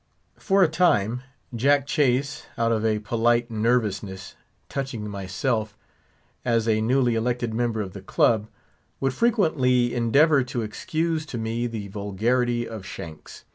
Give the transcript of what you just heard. For a time, Jack Chase, out of a polite nervousness touching myself, as a newly elected member of the club, would frequently endeavour to excuse to me the vulgarity of Shanks.